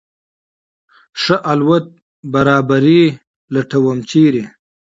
ښه الوت برابري لټوم ، چېرې ؟